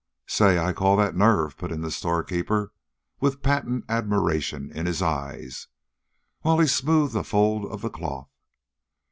"Say, I call that nerve," put in the storekeeper, with patent admiration in his eyes, while he smoothed a fold of the cloth.